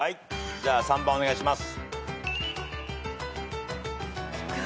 じゃあ３番お願いします。